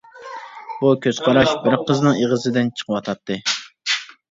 بۇ كۆز قاراش بىر قىزنىڭ ئېغىزىدىن چىقىۋاتاتتى.